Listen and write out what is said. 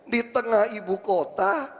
di tengah ibu kota